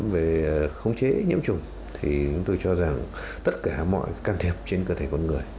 về khống chế nhiễm trùng thì chúng tôi cho rằng tất cả mọi can thiệp trên cơ thể con người